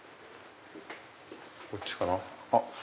こっちかな？